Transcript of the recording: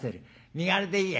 身軽でいいや」。